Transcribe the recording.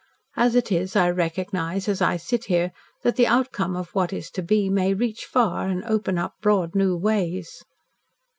As it is, I recognise, as I sit here, that the outcome of what is to be may reach far, and open up broad new ways."